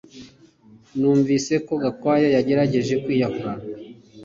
Numvise ko Gakwaya yagerageje kwiyahura